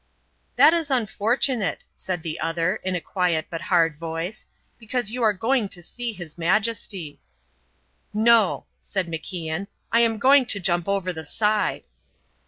"That is unfortunate," said the other, in a quiet but hard voice, "because you are going to see his Majesty." "No," said MacIan, "I am going to jump over the side."